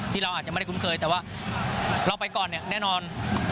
ที่เราอาจจะไม่ได้คุ้นเคยแต่ว่าเราไปก่อนเนี่ยแน่นอน